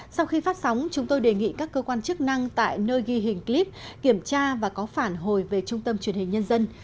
sau khi phát sóng chúng tôi đề nghị các cơ quan chức năng tại nơi ghi hình clip kiểm tra và có phản hồi về trung tâm truyền hình nhân dân